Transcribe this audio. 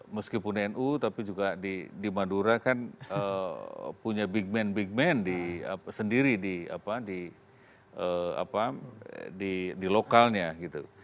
meskipun nu tapi juga di madura kan punya big man big man sendiri di lokalnya gitu